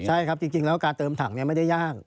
ใช่ครับจริงแล้วการเติมถังไม่ได้ย่าง